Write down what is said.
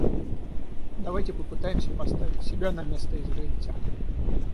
Давайте попытаемся поставить себя на место израильтян.